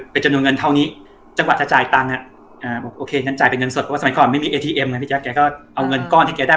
ไปจำนวนเงินเท่านี้